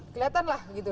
keliatan lah gitu